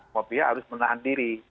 mereka harus menahan diri